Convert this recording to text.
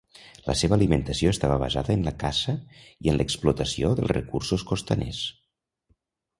La seva alimentació estava basada en la caça i en l'explotació dels recursos costaners.